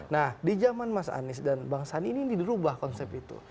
nah di zaman mas anies dan bang sandi ini dirubah konsep itu